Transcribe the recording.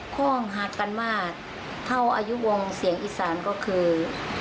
ข้องหักกันมากเท่าอายุวงเสียงอีสานก็คือ